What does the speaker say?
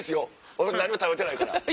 俺何も食べてないから。